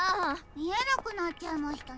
みえなくなっちゃいましたね。